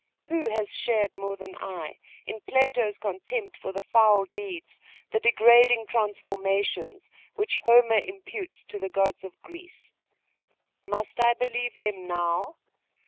Who has shared more than I in Plato's contempt for the foul deeds, the degrading transformations, which Homer imputes to the gods of Greece? Must I believe them now?